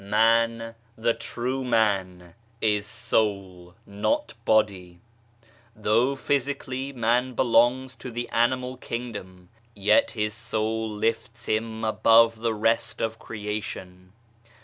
Man the true man is soul, not body; though physically man belongs to the animal kingdom, yet his soul lifts him above the rest of creation.